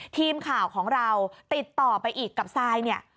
ทีมข่าวของเราติดต่อไปอีกกับซายเนี่ย